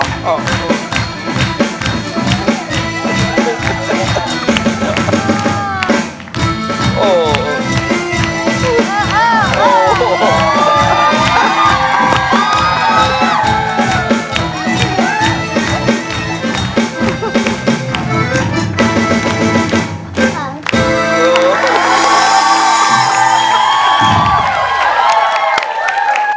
ว้าว